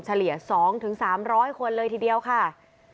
เฉลี่ย๒๓๐๐คนเลยทีเดียวค่ะ